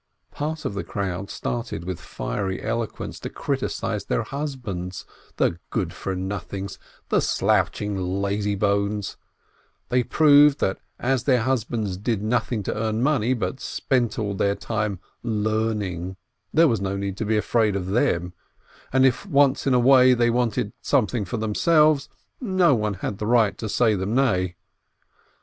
Part of the crowd started with fiery eloquence to criticise their husbands, the good for noth ings, the slouching lazybones; they proved that as their husbands did nothing to earn money, but spent all their time "learning," there was no need to be afraid of them ; and if once in a way they wanted some for themselves, nobody had the right to say them nay.